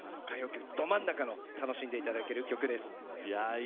歌謡曲ど真ん中の楽しんでいただける曲です。